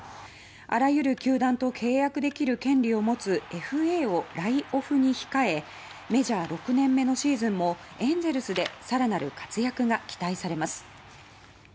あらゆる球団と契約できる権利を持つＦＡを来オフに控えメジャー６年目のシーズンもエンゼルスでさらなる活躍が期待されます。